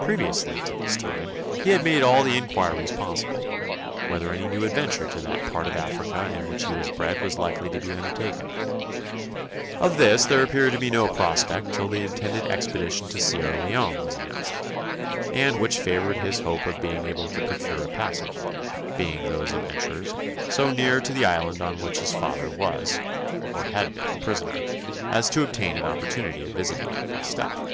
Previously to this time he had made all the inquiries possible, whether any new adventure to that part of Africa in which he was bred was likely to be undertaken. Of this there appeared to be no prospect till the intended expedition to Sierra Leone was announced, and which favoured his hope of being able to procure a passage, among those adventurers, so near to the island on which his father was (or had been) prisoner, as to obtain an opportunity of visiting it by stealth.